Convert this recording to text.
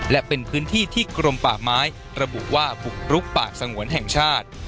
และเป็นพื้นที่ที่กรมป่าไม้ระบุว่าบุกรุกป่าสงวนแห่งชาติ